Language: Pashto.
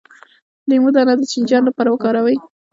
د لیمو دانه د چینجیانو لپاره وکاروئ